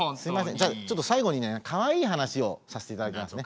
じゃあちょっと最後にねかわいい話をさせていただきますね。